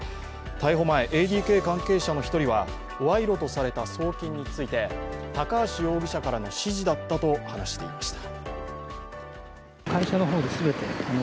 逮捕前、ＡＤＫ関係者の１人は賄賂とされた送金について高橋容疑者からの指示だったと話していました。